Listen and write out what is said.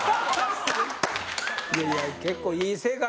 いやいや結構いい生活